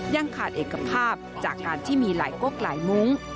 ยังขาดเอกภาพจากการที่มีหลายกกหลายมุ้ง